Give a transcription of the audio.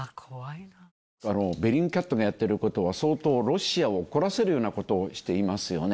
ベリングキャットがやってることは、相当ロシアを怒らせるようなことをしていますよね。